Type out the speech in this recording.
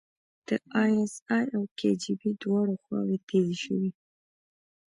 د ای اس ای او کي جی بي دواړه خواوې تیزې شوې.